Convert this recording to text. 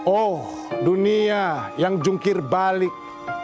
oh dunia yang jungkir balik